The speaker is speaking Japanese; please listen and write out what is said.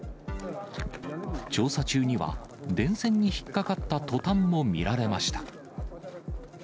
調査中には、電線に引っ掛かったとたんも見られました。